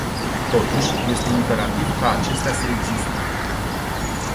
Totuși, este imperativ ca acestea să existe.